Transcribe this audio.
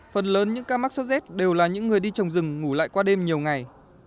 phần lớn những ca mắc sốt rét đều là những người đi trồng rừng ngủ lại qua đêm nhiều ngày